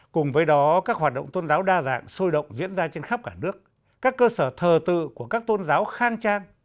cùng với đó các hoạt động tôn giáo đa dạng sôi động diễn ra trên khắp cả nước các cơ sở thờ tự của các tôn giáo khang trang